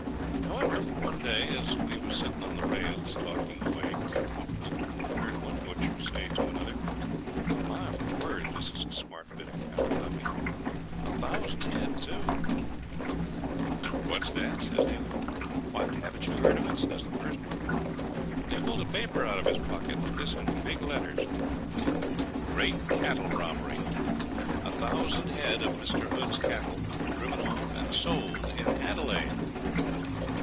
However, one day, as we was sitting on the rails, talking away quite comfortable, we heard one butcher say to another, 'My word, this is a smart bit of cattle duffing a thousand head too!' 'What's that?' says the other man. 'Why, haven't you heard of it?' says the first one, and he pulls a paper out of his pocket, with this in big letters: 'Great Cattle Robbery. A thousand head of Mr. Hood's cattle were driven off and sold in Adelaide.